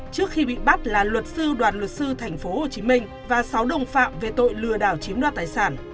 trước khi bị bắt là luật sư đoàn luật sư tp hcm và sáu đồng phạm về tội lừa đảo chiếm đoạt tài sản